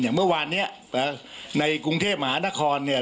อย่างเมื่อวานเนี้ยในกรุงเทพหมานครเนี่ย